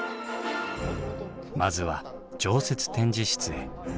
まずは常設展示室へ。